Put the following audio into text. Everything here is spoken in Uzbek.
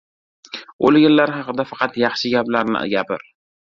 • O‘lganlar haqida faqat yaxshi gaplarni gapir.